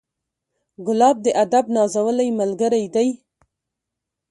ګلاب د ادب نازولی ملګری دی.